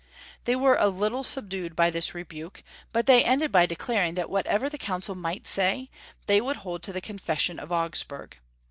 The}^ were a little subdued by this rebuke, but they ended by declaring that whatever the Council might say, Ferdinand L 303 they would hold to the Confession of Augsburg.